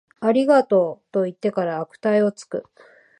ありがとう、と言ってから悪態をつく